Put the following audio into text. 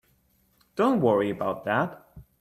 Don't worry about that.